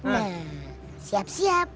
nah siap siap